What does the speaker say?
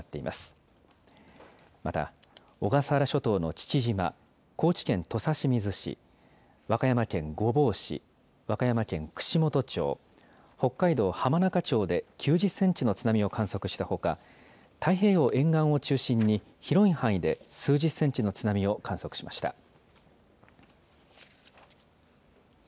また、小笠原諸島の父島、高知県土佐清水市、和歌山県御坊市、和歌山県串本町、北海道浜中町で９０センチの津波を観測したほか、太平洋沿岸を中心に、広い範囲で数十センチの津波を観測しました。